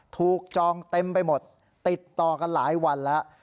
จองเต็มไปหมดติดต่อกันหลายวันแล้ว